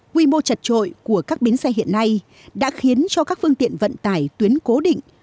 quy mô chật trội của các bến xe hiện nay đã khiến cho các phương tiện vận tải tuyến cố định